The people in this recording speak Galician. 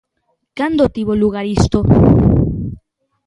Cando tivo lugar isto?